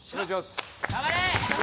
頑張れ！